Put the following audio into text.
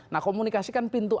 nah komunikasi kan pintu